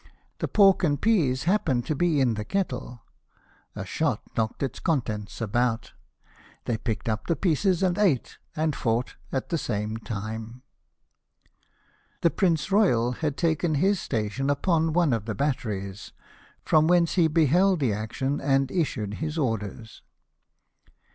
The pork and peas happened to be in the kettle ; a shot knocked its contents about; they picked up the pieces, and ate and fought at the same time. The Prince Royal had taken his station upon one of the batteries, from whence he beheld the action BATTLE OF COPENHAGEN. 235 and issued his orders.